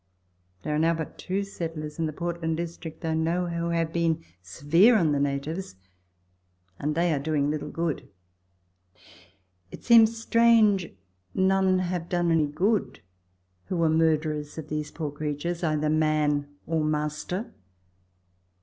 There are now but two settlers in the Portland District that I know who have been severe on the natives, and they are doing little good. It seems strange none have done any good who were murderers of these poor creatures either man or master.